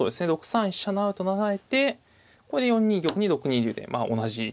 ６三飛車成と成られてこれで４二玉に６二竜でまあ同じ。